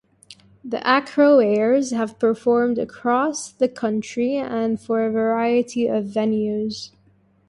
The Acro-Airs have performed across the country and for a variety of venues.